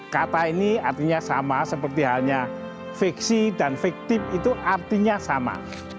kata ini artinya sama seperti halnya fiksi dan fiktif itu artinya sama